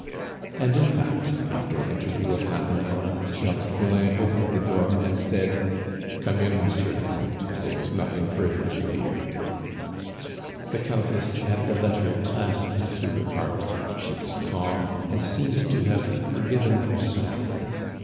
And, in fact, after an interview of half an hour, Jacques Collin opened the door and said: "Come in, Monsieur le Comte; there is nothing further to fear." The Countess had the letter clasped to her heart; she was calm, and seemed to have forgiven herself.